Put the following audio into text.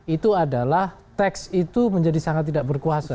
itu adalah teks itu menjadi sangat tidak berkuasa